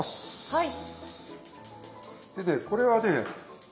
はい。